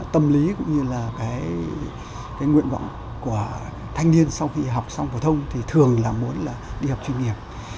tâm lý cũng như là cái nguyện vọng của thanh niên sau khi học xong phổ thông thì thường là muốn là đi học chuyên nghiệp